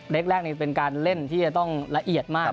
แรกนี้เป็นการเล่นที่จะต้องละเอียดมาก